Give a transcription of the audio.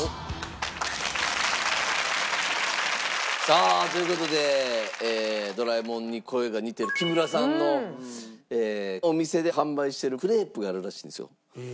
さあという事でドラえもんに声が似ている木村さんのお店で販売しているクレープがあるらしいんですよ。